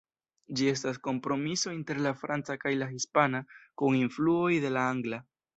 Ĝi estas kompromiso inter la franca kaj la hispana kun influoj de la angla.